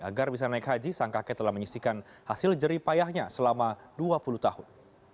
agar bisa naik haji sang kakek telah menyisikan hasil jeripayahnya selama dua puluh tahun